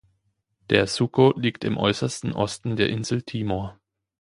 Der Suco liegt im äußersten Osten der Insel Timor.